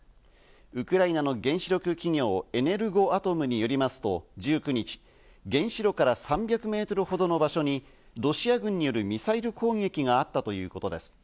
ウクライナの原子力企業、エネルゴアトムによりますと、１９日、原子炉から３００メートルほどの場所にロシア軍によるミサイル攻撃があったということです。